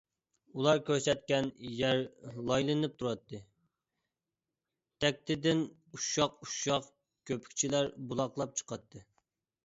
ئۇلار كۆرسەتكەن يەر لايلىنىپ تۇراتتى، تەكتىدىن ئۇششاق - ئۇششاق كۆپۈكچىلەر بۇلۇقلاپ چىقاتتى.